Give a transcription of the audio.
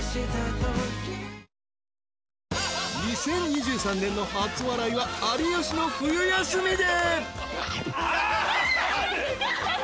２０２３年の初笑いは「有吉の冬休み」で。